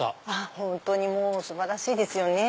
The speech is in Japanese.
本当にもう素晴らしいですよね。